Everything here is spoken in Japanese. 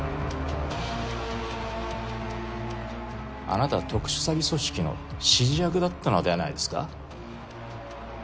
あなた特殊詐欺組織の「指示役」だったのではないですか？